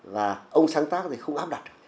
và ông sáng tác thì không áp đặt được